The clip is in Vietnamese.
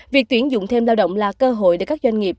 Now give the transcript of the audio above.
việc tuyển dụng thêm lao động là cơ hội để các doanh nghiệp